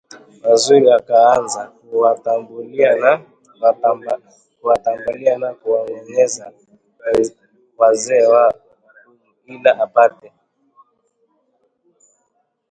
Waziri akaanza kuwatambalia na kuwanong’oneza wazee wa Amu ili apate